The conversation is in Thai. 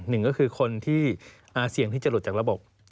หนึ่งก็คือคนที่เสี่ยงที่จะหลุดจากระบบ